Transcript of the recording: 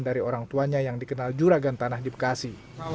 dari orang tuanya yang dikenal juragan tanah di bekasi